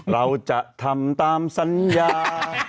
เราจะทำตามสัญญา